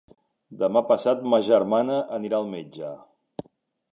Demà passat ma germana anirà al metge.